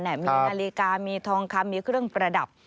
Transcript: มีนาฬิกามีทองคำมีเครื่องประดับ